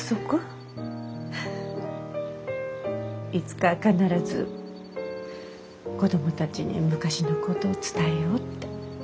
いつか必ず子供たちに昔のこと伝えようって。